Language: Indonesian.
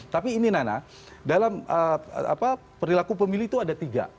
tapi ini nana dalam perilaku pemilih itu ada tiga